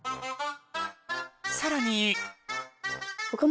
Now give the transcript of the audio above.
さらに。